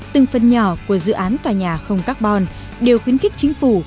từng phần nhỏ của dự án tòa nhà không carbon đều khuyến khích chính phủ